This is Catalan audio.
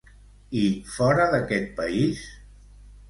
I fora d'aquest país?